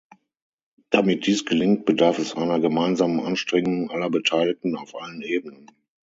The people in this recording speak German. Damit dies gelingt, bedarf es einer gemeinsamen Anstrengung aller Beteiligten auf allen Ebenen.